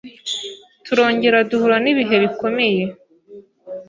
turongera duhura n’ibihe bikomeye